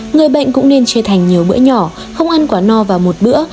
người bệnh cũng nên chế thành nhiều bữa nhỏ không ăn quá no vào một bữa